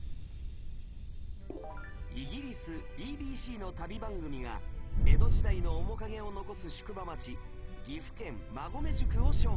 イギリス ＢＢＣ の旅番組が江戸時代の面影を残す宿場町岐阜県馬籠宿を紹介